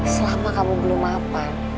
selama kamu belum mafan